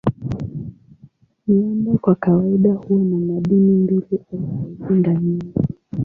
Miamba kwa kawaida huwa na madini mbili au zaidi ndani yake.